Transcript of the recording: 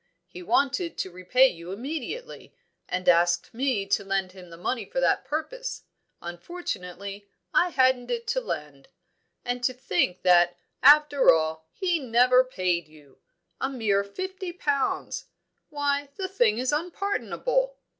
He wanted to repay you immediately, and asked me to lend him the money for that purpose; unfortunately, I hadn't it to lend. And to think that, after all, he never paid you! A mere fifty pounds! Why, the thing is unpardonable!